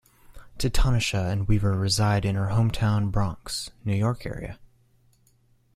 Ta-Tanisha and Weaver reside in her hometown Bronx, New York area.